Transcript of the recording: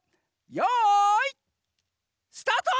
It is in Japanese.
よいスタート！